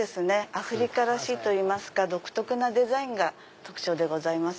アフリカらしいといいますか独特なデザインが特徴です。